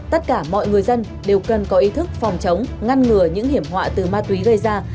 tất cả mọi người dân đều cần có ý thức phòng chống ngăn ngừa những hiểm họa từ ma túy gây ra